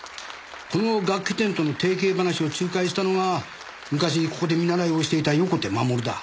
この楽器店との提携話を仲介したのが昔ここで見習いをしていた横手護だ。